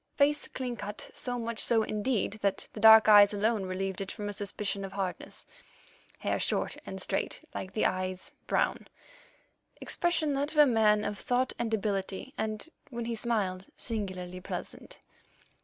Face clean cut—so much so, indeed, that the dark eyes alone relieved it from a suspicion of hardness; hair short and straight, like the eyes, brown; expression that of a man of thought and ability, and, when he smiled, singularly pleasant.